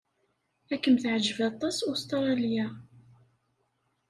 Ad kem-teɛjeb aṭas Ustṛalya.